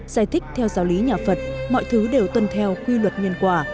giải thích theo giáo lý nhà phật mọi thứ đều tuân theo quy luật nhân quả